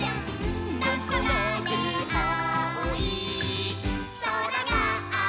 「どこまであおいそらがあるわぁっ！」